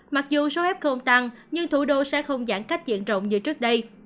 mặc dù số ép không tăng nhưng thủ đô sẽ không giãn cách diện rộng như trước đây